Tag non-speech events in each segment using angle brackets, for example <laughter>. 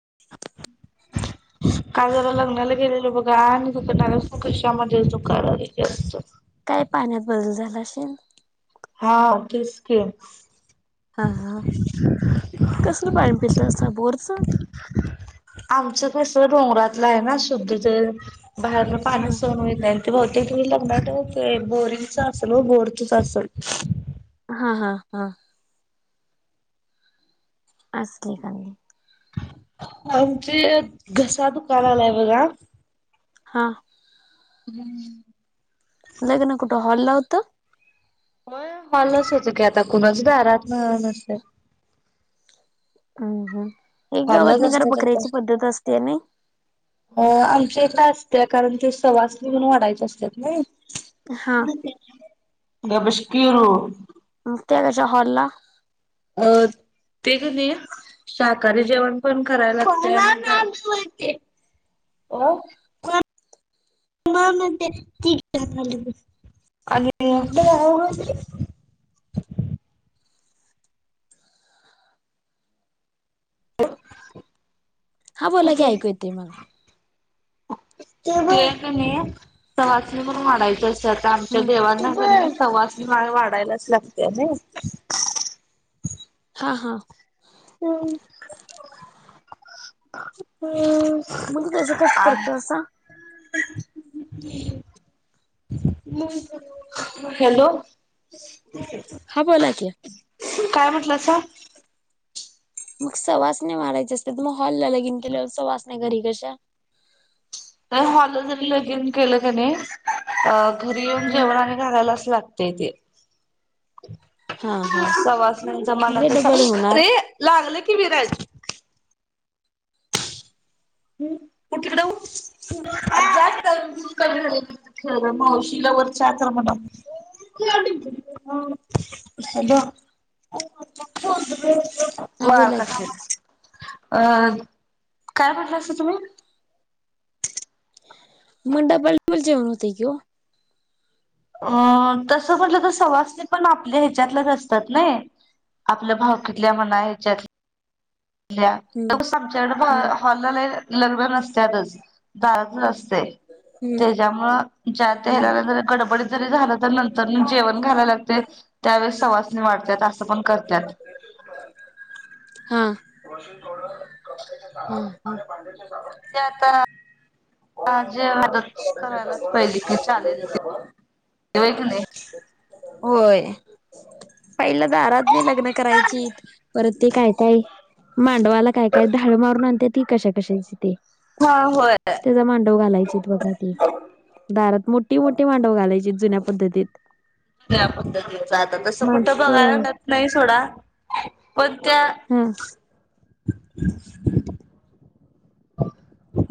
<unintelligible> काल जरा लग्नाला गेलेलो बघा आणि तिकडन आल्यापासन घशामध्येच दुकायला लागलंय जास्त बस झाला असेल. हा तेच की हा हा कसलं पाणी पितासा बोरचं असंस डोंगरातलं आहे ना शुद्ध तेन बाहेरला हा. पाणी सहन होत नाही ते बहुतेक तुम्ही लग्नात ते बोरिंगच असेल व बोरचच असल हा हा हा <unintelligible> आमचे घसा दुकालागलाय बघा हा हम् तर होय हाॅलच होत की आता कुणाच दारातन नसत्यात अ हा हाॅललाच असत्यात आतल्या नई अ आमच्या इकडं असत्या कारण ते सवासनी म्हणून वाढायचे असत्यात नाही हा गप बश कीरू त्या कश्या हॉल ला अ ते कणी शाकाहारी जेवण पण कराय लागते <inaudible> ओ <unintelligible> अ हो हा बोला की ऐकू येत मला म सवाष्णी करून वाडायचं आता आमच्या हम्म देवांना सवाष्णी माग वाढायलाच लागते ना ह हा हम् मग त्याचं कसं करतासा? हॅलो हा बोला कि काय म्हटल अस मग सवाष्णी नाही मारायचे असते तर मग हॉल ला लगिन केल्या सवास नाही घरी कशा हॉल जरी लगेन केलं कनी घरी येऊन हम्म जेवणाने घालायलाच लागत तेज हा हा सवासण्याचा मग ते मनात डबल होणार अरे लागले क विराज हम्म तिकडे ख शिलावररच्याम ह ह हा बोला की वारकस अ काय म्हटलं तम्हा मंडापालल जेवण होते कि हो अ तस म्हटलं तर सवासणी पण आपल्या ह्याच्यातलेच असतात नाही आपलं भावकी किथल्या मना या्याच्यात हम्म आमच्याकड हम्म हॉलला लग्न नसत आतच झात हम्म. त्याच्यामुळं ज हम्म झा नंतर जेव घालायला लागत त्यामुळे करतात वॉशिंग पावडर कपड्या साां्या सा ते आता जे मदत करायलाच पाहिली की चालेलवा क नाही होय पहिलं दारात नाही लग्न करायचीत परत ते काय काय मांडवाला काय काय धडू मारून आणते ती क शकते हा होय. त्याचा मांडव घालायचे बघा त दारात मो मो मोठी मांडव घालायची जुन्या पद्धतीत प दिहता तसं कुठं बघायला माणसं मिळत नाही सोडा पण त्या हा <inaudible>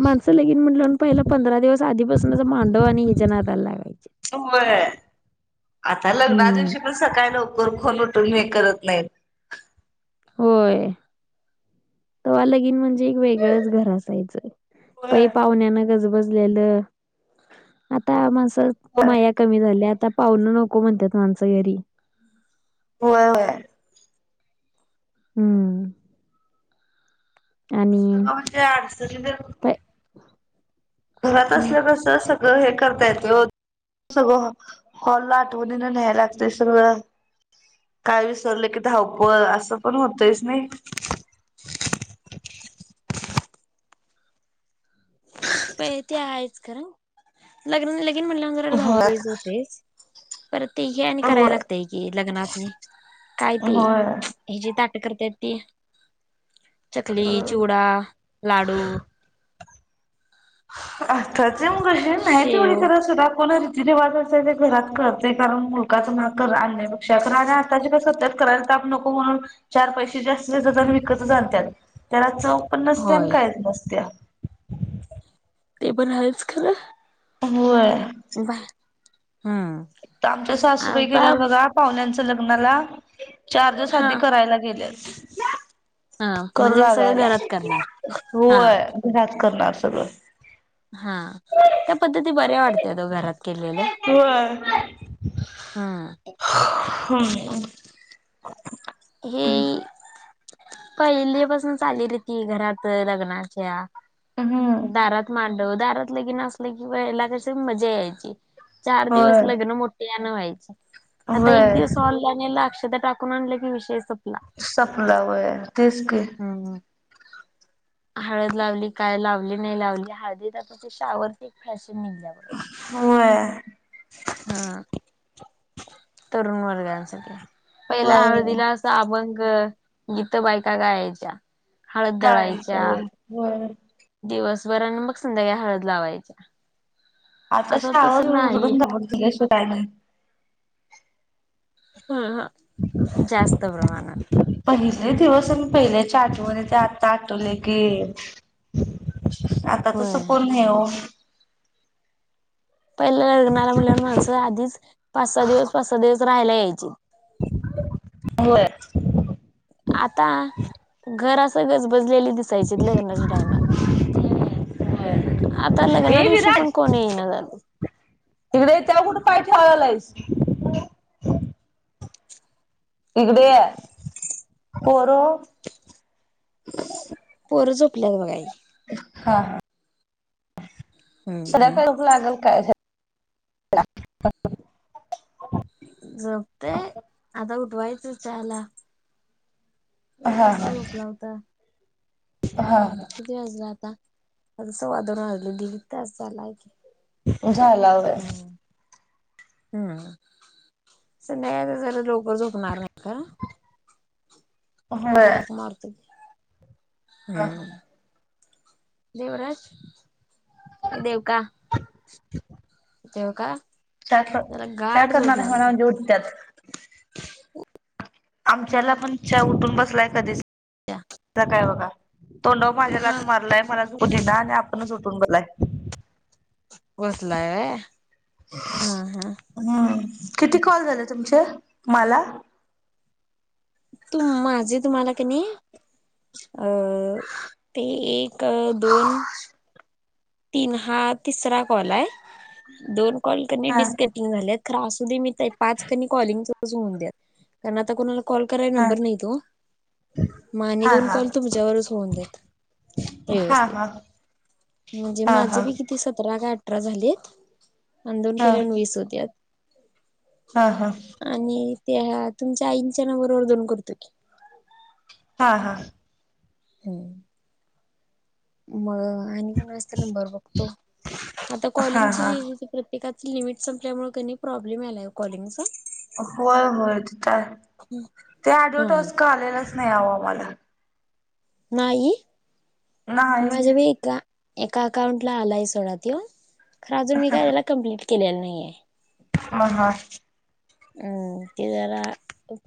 माणसं लगेन म्हटलं पहिला पंधरा दिवस आधीपासूनच मांडव आणि हिज नादाला लागायचे वय आता हम्म लग्नादिवशी ल सकाळी लवकर पण म करत नाही होय त आलगीन म्हणजे ते एक वेगळच घरात ग होय. पहिपहुण्याने गजबजलेलं आता मानसाच माया कमी झाल्या आता पाहुण नको म्हणतात माणसं घरी होय होय हम्म असं आणि का म्हणजे आडच तर प घरात हम्म. असल्यास सगळं हे करता येत. सगळ हॉलला आठवण ना न्यायला लागते सगळं. काय विसरलं की धावपळ, असं पण होतच नाय <inaudible> प ते आहेच खरं, लग्न म्हटल्यान जर धाव होय पळीज होतेच. पर ते हे आणि करायला होय लागते की, लग्नात काय ते होय ह जा करत ती चकली, चिवडा, लाडू. आताच मगशी नाही तेवळी शेव खरा सुधा कोणा जे जे बनवायचे ते घरात करते. कारण मुलकाच महाग कर आणण्यापेक्षा कर आणि आताची का स्वतः करायला क म्हणून चार पैस ज्यास्त देत्यत, न विकतच आणत्यात पण नसत्या आणि होय कायच नसत्या. ते पण हायच खरं. होय. वाय. आमच्या सासूबाई गेल्यात बघा पाहुण्यांच लग्नाला. चार्जस हा आधी करायला गेलेस. हा करू म्हणजे सगळं लागायला घरात करणार. हा होय. त्याच करणार सगळं. हा त्या पद्धती बऱ्या वाटत तो घरात केलेल्या. होय. हा. हम हे पहिले पासून चाललेली आहे. ती घरात लग्नाच्या. हम्म दारात मांडव, दारात लगेन असलं की व्हायला कशी मजा यायची. चार दिवस होय. लग्न मोठे आणन व्हायचे आता एक व्हय दिवस ऑनलाईन अक्ष ता टाकले की विषय संप सपला वय तेस की. हम्म हळद लावली, काय लावली नाही, लावली हळदीत आ ते शावर फॅ मिनिटावर. व्हय. हम तरुण वर्गांसाठी पहिला व्हय हळदीला असं अभंग गीत बायका गायच्या. गाळायच हळददळायच्या. व्हय व्हय. वर मग संध्याका्या हळद लावायच्या. आता आताशा तसं नाही. आवरल <unintelligible> काय नाही. ह ह जास्त प्रमाणात. नाही दिवस म पहिल्याच्या आठवणी ते आता आठवले की आता तसं होय कोण नाही हो? पहिल्या लग्नाला म्हणल्यावर माणसं आधीच पाच सहा दिवस पाच सहा दिवस राहायला यायची. होय. आता घर अस गजबज बजलेली दिसायचीत लग्नाच्या टाइमात. आता व्हय, लग्ना ये दिवशी विराज पण कोण येईना झालं. हिकडं ये त्याला कुठ काय ठेवायलायस इकडे ये, पोर ओ. पोरं झोपल्यात बघा ही. हा हम्म सध्या हम्म. करपू लागेल काय? <inaudible> झोपते, आता उठवायचं चहाला. एक हा वाजता हा झोपला होता. हा हम्म. किती वाजले आता? सव्वा दोन वाजले, दिड तास झालाय की. झाला व्हय. हम्म हम्म, संध्याकाळी लवकर झोपणार नाही का? होय अता हाक मारतो. हम देवराज ये देव का <inaudible> देव का चहा, चहा करणाऱ्या म्हणल का उठत्यात. आमच्याला पण चहा उठून बसलाय कधीच् काय बघा तोंडाव माझ्या लाथ हा मारलाय मला झोपू देईना आणि आपण उठून बसलाय. वसलाय व्हय, हा - हा हम्म किती कॉल झाले तुमचे मला? तुम माझे तुम्हाला क नाही अं ते एक दोन तीन हा तिसरा कॉल आहे दोन कॉल कर हा डिस्कपिंग झालेत तर दे मि पाच क कॉलिंग होऊन द्या कारण आता कोणाला कॉल कराय हा नंबर नाहीत ओ माने हा दोन हा कॉल तुमच्यावरच होऊन देत हा हा व्यवस्थित म्हणजे हा हा माझे हा बी किती सतरा का अठरा झालेत अ दोन हा केल्यान वीस होत्यात हा आणि त्या तुमच्या आईंच्या नंबरोबर दोन करतो की हा हा हम् म आणि कोणा असत नंबर बघतो आता हा हा कॉलिंगची एकाच लिमिट संपल्यामुळे क प्रॉब्लेम आलाय कॉलिंगचा होय होय तय ते हा आडवटस का आलेला नाही आवा आम्हाला नाई ही नाही माझ्या मी ए एका अकाउंटला आलाय सोडा त्यो खर अजून मी काय त्याला कमप्लीट केलेला नाही आहे. ह ह हम्म ते जरा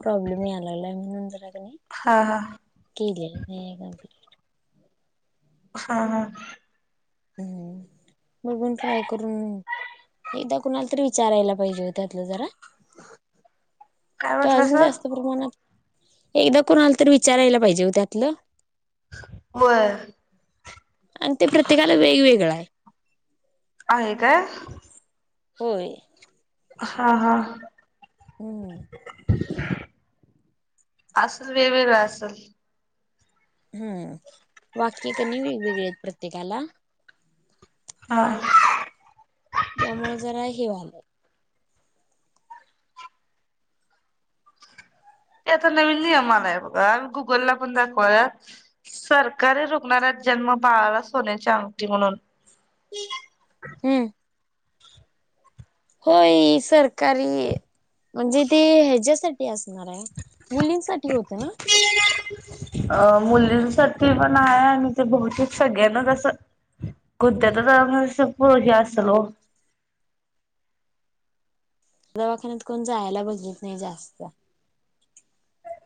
प्रॉब्लेम यायला लागला म्हणून जरा हा कलेलं नाही कमप्लीट हा हा हम्म बघून ट्राय करून एकदा कुणाला तरी विचारायला पाहिजे हो त्या्यातलं जरा काय तो अजून म्हटलासा? जास्त प्रमाणात एकदा कोणाल तर विचारायला पाहिजे हो त्यातलं व्हय आणि ते प्रत्येकाला वेगवेगळं आहे आहे काय होय हा हा हम्म असल वेगवेळ असल हम्म वाक्य कनी वेगवेगळे आहेत प्रत्येकाला हा यामुळे जरा हे व्हालयं आता नवीन नियम आलाय बघा गुगलला पण दाखवाया सरकारी रुग्णालया जन्म बाळाला सोन्याची अंगटी म्हणून हम्म होय सरकारी म्हणजे ते ह्याच्यासाठी अस आहे मुलींसाठी होत ना अ मुलींसाठी पण आहे आणि ते बहुतेक सगळ्यांनाच असं कोणत्या तर म्हण पुरष अस असलो <unintelligible> दवाखान्यात कोण जायला बघत नाही जास्त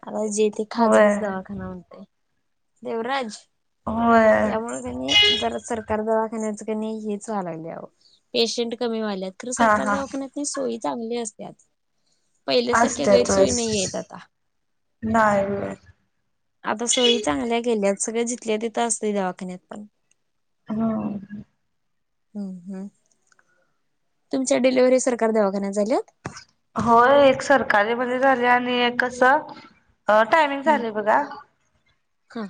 आता जेथे खाजगीच होय. दवाखाना म्हणते देवराज होय त्यामुळे त्यांनी जर सरकार द हेच व्हाल्या पेशंट कमी वाले खर हा सरकार हा दवाखान्यात नाही सोय चांगले असते पहिल्यासारख्या असत्यात गैरसोयी वेळेस नाही आहेत आता नाही आता सोयी चांगल्या गेल्यात सगळ जिथल्या तिथं असते दवाखान्यात पण हा तुमच्या डिलव्हरी सरकार दवाखान्यात झाल्या होय एक सरकारी मध्ये झाल्या आणि कसं अ टायमिंग हम्म झालयं बघा हा.